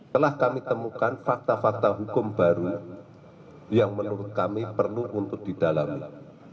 telah kami temukan fakta fakta hukum baru yang menurut kami perlu untuk didalami